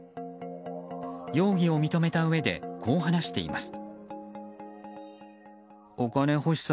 容疑を認めたうえでこう話しています。